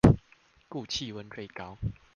故氣溫最高